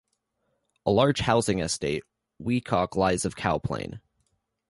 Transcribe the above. A large housing estate, Wecock, lies west of Cowplain.